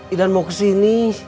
idan mau kesini